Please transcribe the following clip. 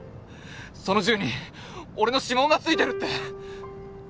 その銃に俺の指紋が付いてるって！